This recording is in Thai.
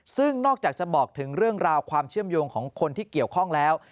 ซึ่งนอกจากจะบอกถึงเรื่องราวความเชื่อมโยงของคนที่เกี่ยวข้องแล้ว